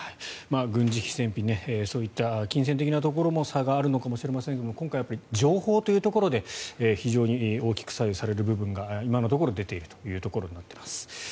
軍事費、戦費そういった金銭的なところも差があるのかもしれませんが今回、情報というところで非常に大きく左右される部分が今のところ出ているというところになっています。